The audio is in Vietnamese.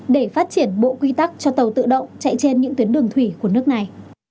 để phát triển bộ quy tắc cho tàu tự động chạy trên những tuyến đường thủy của nước này